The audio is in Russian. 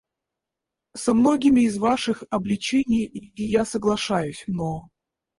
Со многими из ваших обличений и я соглашаюсь, но...